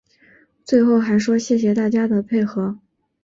最后还说谢谢大家的配合